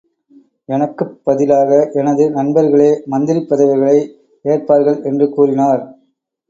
எனக்குப் பதிலாக எனது நண்பர்களே மந்திரிப் பதவிகளை ஏற்பார்கள் என்று கூறினார்.